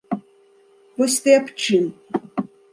Вось ты аб чым?